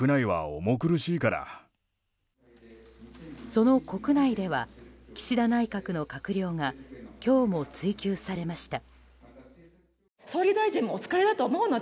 その国内では岸田内閣の閣僚が今日も追及されました。